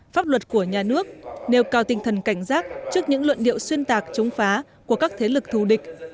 pháp luật của nhà nước nêu cao tinh thần cảnh giác trước những luận điệu xuyên tạc chống phá của các thế lực thù địch